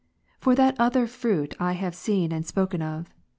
For that other fruit '^^— I have seen and spoken of.